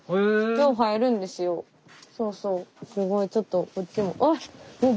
すごいちょっとこっちも。わ！